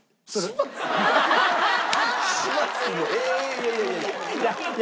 いやいやいやいや。